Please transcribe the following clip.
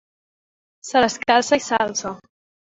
Se les calça i s'alça.